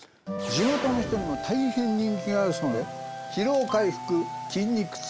地元の人にも大変人気があるそうで。